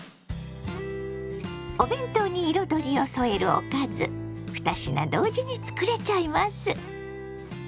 お弁当に彩りを添えるおかず二品同時に作れちゃいます。